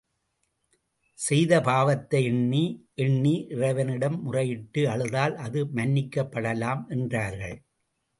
செய்த பாவத்தை எண்ணி எண்ணி இறைவனிடம் முறையிட்டு, அழுதால் அது மன்னிக்கப்படலாம், என்றார்கள்.